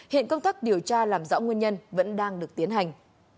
hiện công tác điều tra làm rõ nguyên nhân vẫn đang được tiến hành